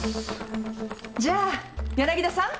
じゃあ柳田さん。